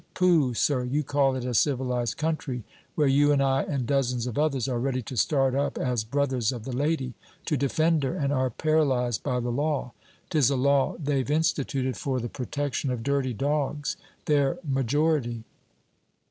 Pooh, sir; you call it a civilized country, where you and I and dozens of others are ready to start up as brothers of the lady, to defend her, and are paralyzed by the Law. 'Tis a law they've instituted for the protection of dirty dogs their majority!'